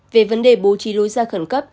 về vấn đề bố trí lối ra khẩn cấp